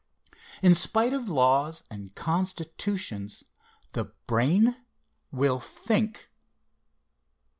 In spite of laws and constitutions the brain will think.